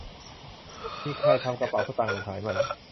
มีใครทำกระเป๋าสตางค์หล่นหายไหม